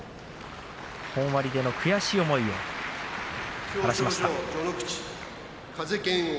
本割での悔しい思いを晴らしました風賢央。